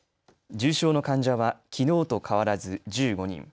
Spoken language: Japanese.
重症の患者はきのうと変わらず１５人。